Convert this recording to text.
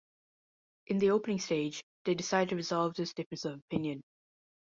In the opening stage, they decide to resolve this difference of opinion.